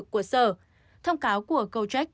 của sở thông cáo của gojek